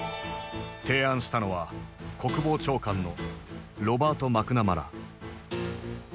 提案したのは国防長官のロバート・マクナマラ。